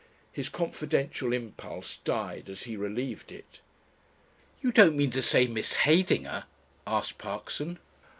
His confidential impulse died as he relieved it. "You don't mean to say Miss Heydinger ?" asked Parkson.